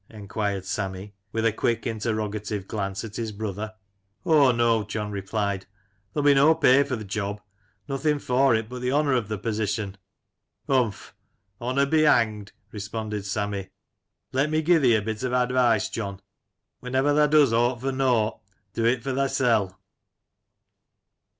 enquired Sammy, 148 Lancashire Characters and Places, with a quick interrogative glance at his brother. " O no !" John replied, " there'll be no pay for th' job — nothing for it but the honour of the position." " Humph ! honour be hanged!" responded Sammy, "let me gie thee a bit of advice, John; whenever thae does ought for nought, do it for thae sell